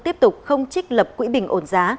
tiếp tục không trích lập quỹ bình ổn giá